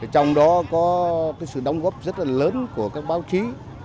trong đó có sự đóng góp rất là lớn của các báo chí